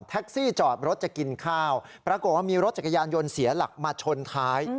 จอดรถจะกินข้าวปรากฏว่ามีรถจักรยานยนต์เสียหลักมาชนท้าย